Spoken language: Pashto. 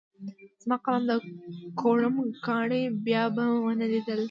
زما قلم د کوړم کاڼی شو؛ بيا مې و نه ليد.